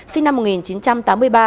sinh năm một nghìn chín trăm tám mươi ba